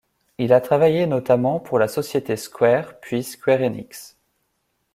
Il a travaillé notamment pour la société Square, puis SquareEnix.